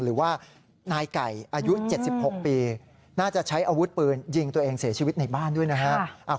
หรือว่านายไก่อายุ๗๖ปีน่าจะใช้อาวุธปืนยิงตัวเองเสียชีวิตในบ้านด้วยนะครับ